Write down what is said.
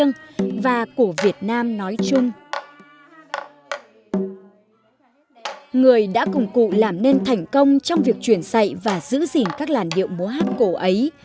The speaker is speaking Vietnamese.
người đã cùng cụ làm nên thành công trong việc truyền dạy và giữ gìn các làn điệu múa hát cổ ấy